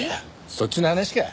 そっちの話か。